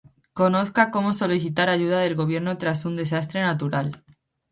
Conozca cómo solicitar ayuda del Gobierno tras un desastre natural.